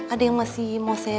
ada yang masih mau saya